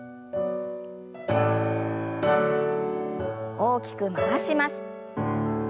大きく回します。